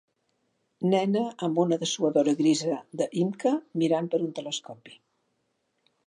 Nena amb una dessuadora grisa de YMCA mirant per un telescopi.